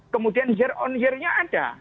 kemudian year on year nya ada